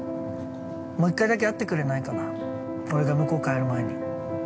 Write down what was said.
もう一回だけ会ってくれないかな、俺が向こう、帰る前に。